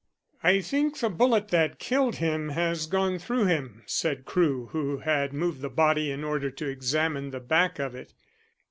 "I think the bullet that killed him has gone through him," said Crewe, who had moved the body in order to examine the back of it.